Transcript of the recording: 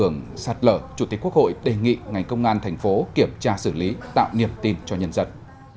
ngoan thành phố kiểm tra xử lý tạo niềm tin cho nhân dân